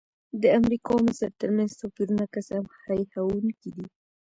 د امریکا او مصر ترمنځ توپیرونه که څه هم هیښوونکي دي.